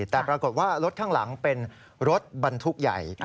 แต่ปรากฏว่ารถข้างหลังเป็นรถบรรทุกใหญ่